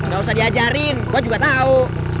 gak usah diajarin gua juga tau